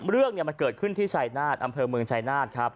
เรื่องมันเกิดขึ้นที่ชายนาฏอำเภอเมืองชายนาฏครับ